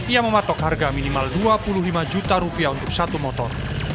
ia mematok harga minimal dua puluh lima juta rupiah untuk satu motor